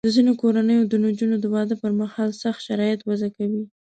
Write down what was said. د ځینو کورنیو د نجونو د واده پر مهال سخت شرایط وضع کوي.